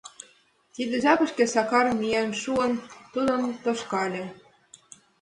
Тиде жапыште Сакар, миен шуын, тудым тошкале.